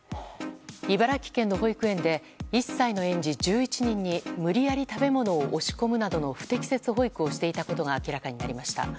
茨城県の保育園で１歳の園児１１人に無理やり食べ物を押し込むなどの不適切保育をしていたことが明らかになりました。